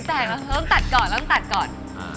เราต้องตัดก่อน